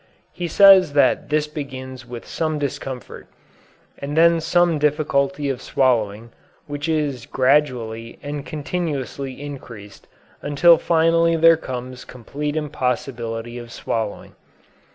He says that this begins with some discomfort, and then some difficulty of swallowing, which is gradually and continuously increased until finally there comes complete impossibility of swallowing.